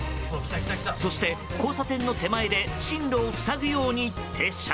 そして交差点の手前で進路を塞ぐように停車。